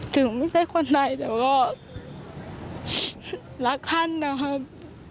ถึงไม่ใช่คนใดแต่ก็รักท่านนะครับ